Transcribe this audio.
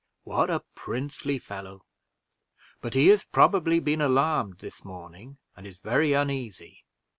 What a princely fellow! but he has probably been alarmed this morning, and is very uneasy.